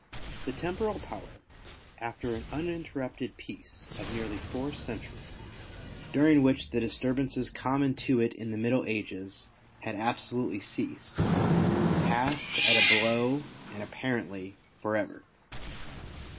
The Temporal Power after an uninterrupted peace of nearly four centuries, during which the disturbances common to it in the middle ages, had absolutely ceased, passed at a blow and apparently for ever.